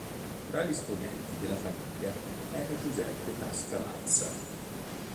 Tra gli esponenti della famiglia era Giuseppe Tasca Lanza.